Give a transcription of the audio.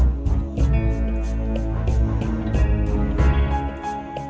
ya ya sudah